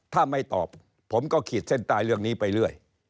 ถ้าไม่ตอบผมก็ขีดเส้นใต้เรื่องนี้ไปเรื่อย